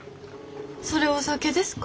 それお酒ですか？